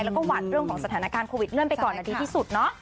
แล้วก็หวัดเรื่องของสถานการณ์โควิดเลื่อนไปก่อนดีที่สุดเนาะ